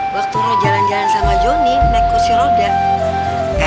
waktu lu jalan jalan sama joni naik kursi roda